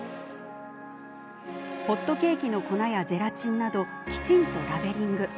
ホットケーキの粉やゼラチンなどきちんとラベリング。